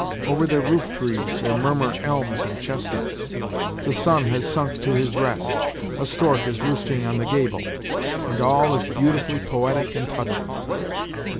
Over their roof trees there murmur elms and chestnuts; the sun has sunk to his rest; a stork is roosting on the gable; and all is beautifully poetic and touching.